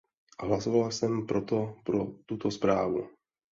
Hlasoval jsem proto pro tuto zprávu.